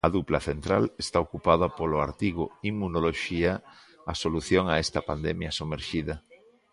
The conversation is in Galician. A dupla central está ocupada polo artigo Inmunoloxía, a solución a esta pandemia somerxida.